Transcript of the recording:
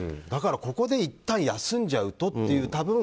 だからここでいったん休んじゃうとっていう。